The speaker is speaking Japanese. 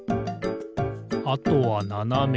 あとはななめだね。